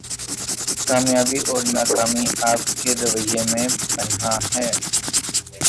کامیابی اور ناکامی آپ کے رویہ میں پنہاں ہے